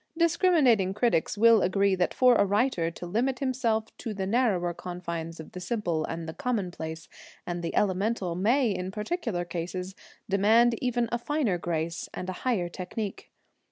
Discriminating critics will agree that for a writer to limit himself to the narrower confines of the simple and the commonplace and the elemental, may, in particular cases, demand even a finer grace and a higher technique.